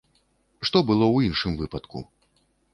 Што было б у іншым выпадку?